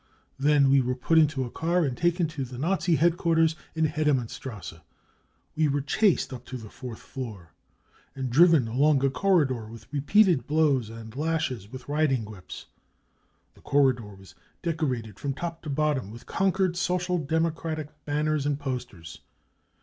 9 Then we were put into a car and taken to the Nazi headquarters in Hedemannstrasse. We were chased up to the fourth floor, and driven along a corridor with repeated blows and lashes with riding whips. The corridor was 4 decorated 9 from top to bottom with 4 conquered 9 Social Democratic banners and posters.